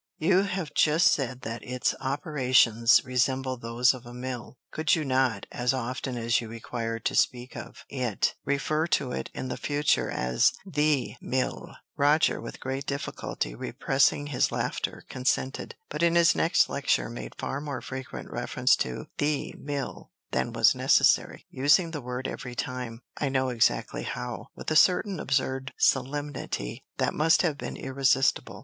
You have just said that its operations resemble those of a mill: could you not, as often as you require to speak of it, refer to it in the future as the mill?" Roger, with great difficulty repressing his laughter, consented; but in his next lecture made far more frequent reference to the mill than was necessary, using the word every time I know exactly how with a certain absurd solemnity that must have been irresistible.